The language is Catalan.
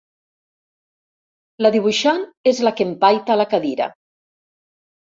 La dibuixant és la que empaita la cadira.